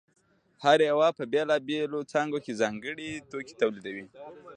هر یوه په بېلابېلو څانګو کې ځانګړی توکی تولیداوه